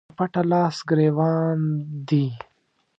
په پټه لاس ګرېوان دي